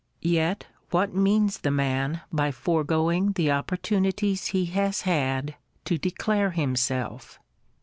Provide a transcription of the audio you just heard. * Yet what means the man by foregoing the opportunities he has had to declare himself?